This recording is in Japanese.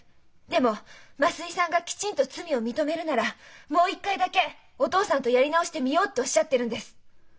でも増井さんがきちんと罪を認めるならもう一回だけお父さんとやり直してみようっておっしゃってるんです。